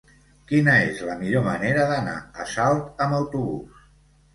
Quina és la millor manera d'anar a Salt amb autobús?